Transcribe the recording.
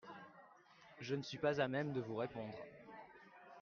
Je ne suis pas à même de vous répondre.